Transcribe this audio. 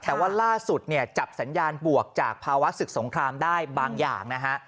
แต่ว่าล่าสุดเนี่ยจับสัญญาณบวกจากภาวะศึกสงครามได้บางอย่างนะฮะ